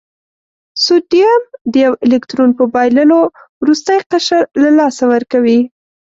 سوډیم د یو الکترون په بایللو وروستی قشر له لاسه ورکوي.